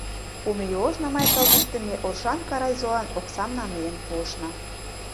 Кум ий ожно, май тылзыште, ме Оршанка райзолан оксам намиен пуышна.